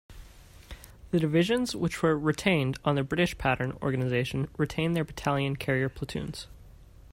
The divisions which were retained on the British-pattern organisation retained their battalion carrier platoons.